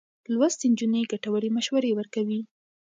لوستې نجونې ګټورې مشورې ورکوي.